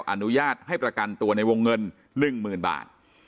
อนุญาตให้ประกันตัวในวงเงิน๑๐๐๐บาท